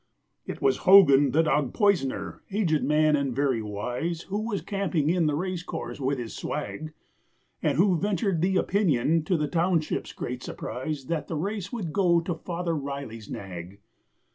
It was Hogan, the dog poisoner aged man and very wise, Who was camping in the racecourse with his swag, And who ventured the opinion, to the township's great surprise, That the race would go to Father Riley's nag.